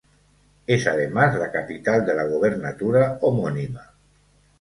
Es además la capital de la gobernatura homónima.